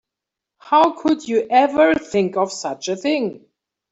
How could you ever think of such a thing?